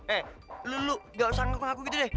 eh lu lu gak usah ngaku ngaku gitu deh